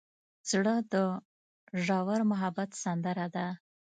زړه د ژور محبت سندره ده.